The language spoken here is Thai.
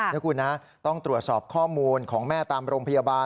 นะคุณนะต้องตรวจสอบข้อมูลของแม่ตามโรงพยาบาล